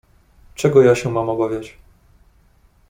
"Czego ja się mam obawiać??"